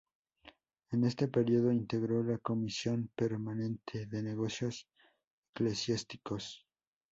En este período, integró la Comisión Permanente de Negocios Eclesiásticos.